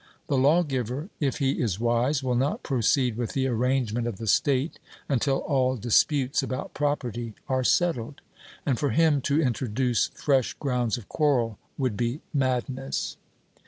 The lawgiver, if he is wise, will not proceed with the arrangement of the state until all disputes about property are settled. And for him to introduce fresh grounds of quarrel would be madness.